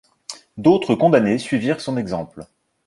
D'autres condamnés suivirent son exemple.